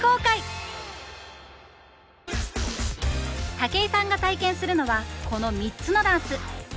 武井さんが体験するのはこの３つのダンス！